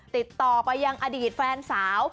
ติดต่อไปยังอดีตแฟนสาว